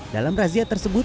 dalam razia tersebut